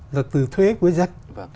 là từ thuế của dân